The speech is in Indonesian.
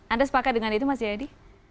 anda sepakat dengan itu mas yaya di